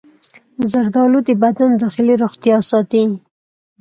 زردآلو د بدن داخلي روغتیا ساتي.